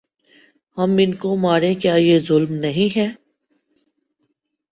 ہم ان کو ماریں کیا یہ ظلم نہیں ہے ۔